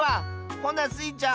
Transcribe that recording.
ほなスイちゃん